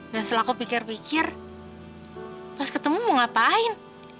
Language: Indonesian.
dan setelah aku pikir pikir pas ketemu mau ngapain